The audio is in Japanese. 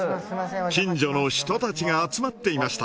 近所の人たちが集まっていました。